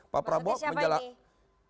pak prabowo menjelaskan